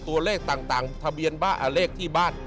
ตัวเลขต่างทะเบียนเลขที่บ้าน